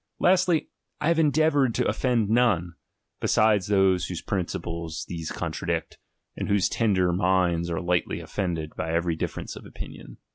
Lastly, I have endeavoured to offend none, beside those whose principles these contradict, and whose tender minds are lightly offended by every difference of opinions.